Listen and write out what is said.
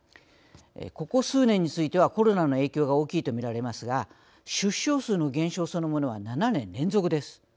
ここ数年についてはコロナの影響が大きいと見られますが出生数の減少そのものは７年連続です。